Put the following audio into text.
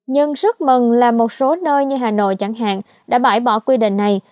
nhưng rất mừng là một số nơi như hà nội chẳng hạn đã bãi bỏ quy định này